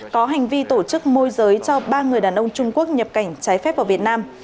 có hành vi tổ chức môi giới cho ba người đàn ông trung quốc nhập cảnh trái phép vào việt nam